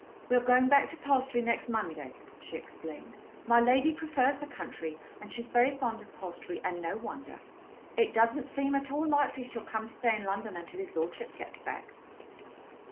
"We are going back to Palstrey next Monday," she explained. "My lady prefers the country, and she is very fond of Palstrey; and no wonder. It doesn't seem at all likely she'll come to stay in London until his lordship gets back."